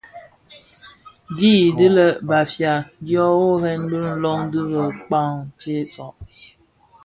Di i di lè Bafia dyo worè bi löň dhi bëkpag tsentsa.